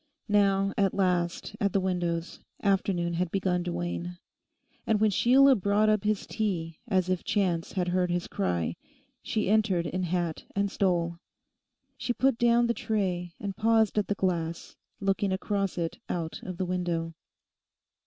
Now, at last, at the windows; afternoon had begun to wane. And when Sheila brought up his tea, as if Chance had heard his cry, she entered in hat and stole. She put down the tray, and paused at the glass, looking across it out of the window.